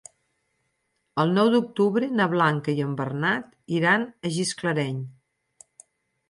El nou d'octubre na Blanca i en Bernat iran a Gisclareny.